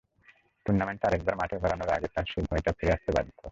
টুর্নামেন্টটা আরেকবার মাঠে গড়ানোর আগে তাই সেই ভয়টা ফিরে আসতে বাধ্য।